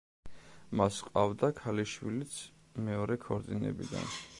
მას ჰყავდა ქალიშვილიც მეორე ქორწინებიდან.